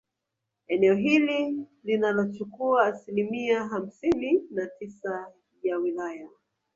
Eneo hili linalochukua asilimia hamsini na tisa ya wilaya